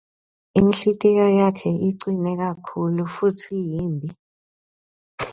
Inhlitiyo yakhe icine kakhulu futsi yimbi.